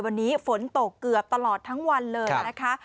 วันนี้ฝนตกเกือบตลอดทั้งวันเลยนะคะ